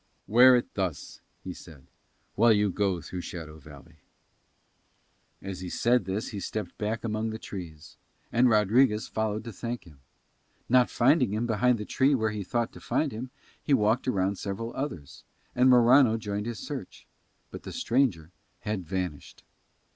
"Wear it thus," he said, "while you go through Shadow Valley." As he said this he stepped back among the trees, and Rodriguez followed to thank him. Not finding him behind the tree where he thought to find him, he walked round several others, and Morano joined his search; but the stranger had vanished.